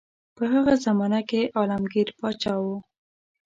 په هغه زمانه کې عالمګیر پاچا وو.